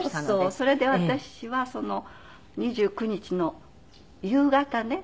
それで私は２９日の夕方ね